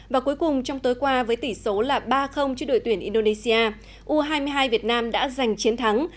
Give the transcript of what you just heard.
và cuối cùng trong tối qua với tỷ số là ba cho đội tuyển indonesia u hai mươi hai việt nam đã giành chiến thắng